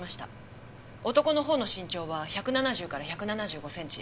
男の方の身長は１７０から１７５センチ。